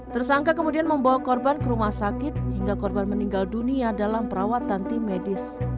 tersangka kemudian membawa korban ke rumah sakit hingga korban meninggal dunia dalam perawatan tim medis